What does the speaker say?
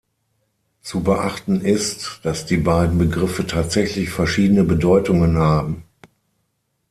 Zu beachten ist, dass die beiden Begriffe tatsächlich verschiedene Bedeutungen haben.